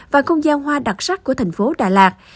và không gian hoa đặc sắc của thành phố đà lạt